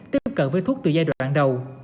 tiếp cận với thuốc từ giai đoạn đầu